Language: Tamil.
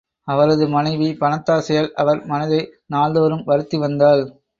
அவரது மனைவி பணத்தாசையால் அவர் மனதை நாள்தோறும் வருத்தி வந்தாள்.